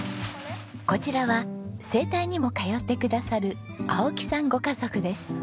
こちらは整体にも通ってくださる青木さんご家族です。